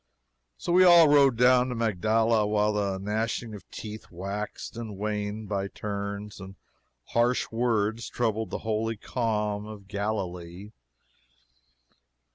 So we all rode down to Magdala, while the gnashing of teeth waxed and waned by turns, and harsh words troubled the holy calm of Galilee.